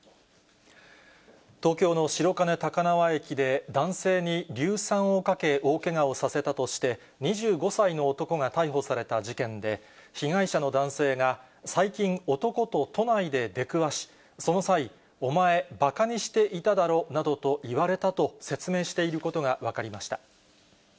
東京の白金高輪駅で男性に硫酸をかけ、大けがをさせたとして、２５歳の男が逮捕された事件で、被害者の男性が、最近、男と都内で出くわし、その際、お前、ばかにしていただろなどと言われたと説明していることが分かりました。